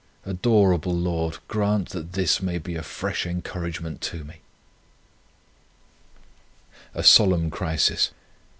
Adorable Lord, grant that this may be a fresh encouragement to me!" A SOLEMN CRISIS.